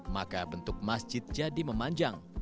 maka bentuk masjid jadi memanjang